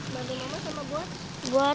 bagi apa sama buat